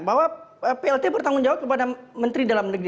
bahwa plt bertanggung jawab kepada menteri dalam negeri